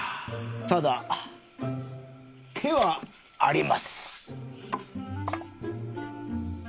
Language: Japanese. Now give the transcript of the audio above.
ただ手はあります。